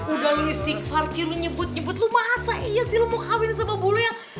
udah lu istighfar cilu nyebut nyebut lu masa iya sih lo mau kawin sama bule yang